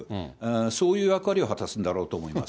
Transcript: そういう役割を果たすんだろうと思います。